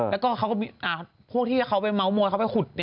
แล้วก็พวกที่เขาไปเมาส์มวยเขาไปขุด